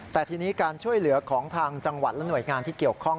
แต่ทีนี้การช่วยเหลือของทางจังหวัดและหน่วยงานที่เกี่ยวข้อง